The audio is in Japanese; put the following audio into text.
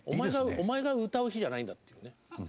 お前が歌う日じゃないんだってね。